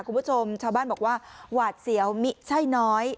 คุณผู้ชมชาวบ้านบอกว่าหวาดเสียวมิใช่น้อย